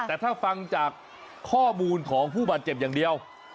แต่ถ้าฟังจากข้อมูลของผู้บาดเจ็บอย่างเดียว